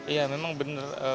ya memang bener